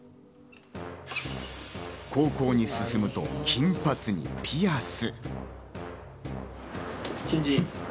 高校に進むと金髪にピアス。